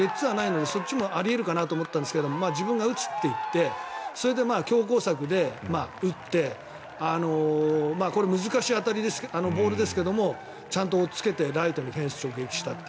そっちもあり得るかなと思ったんですけど自分が打つと言って強硬策で打ってこれ、難しいボールですけどちゃんと追っつけてライトフェンスに直撃したと。